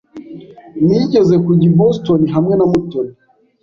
Nigeze kujya i Boston hamwe na Mutoni.